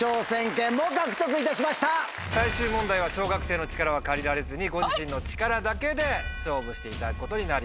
最終問題は小学生の力は借りられずにご自身の力だけで勝負していただくことになります。